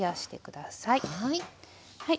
はい。